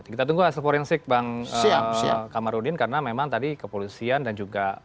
kita tunggu hasil forensik bang kamarudin karena memang tadi kepolisian dan juga